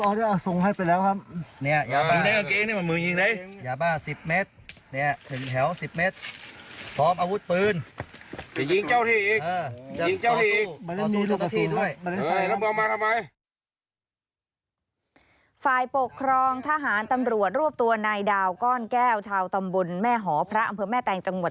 ฝ่ายปกครองทหารตำรวจรวบตัวนายดาวก้อนแก้วชาวตำบลแม่หอพระอำเภอแม่แตงจังหวัด